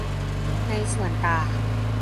ในส่วนต่าง